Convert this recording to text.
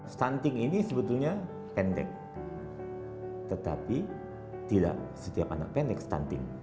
stunting ini sebetulnya pendek tetapi tidak setiap anak pendek stunting